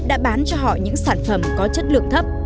đã bán cho họ những sản phẩm có chất lượng thấp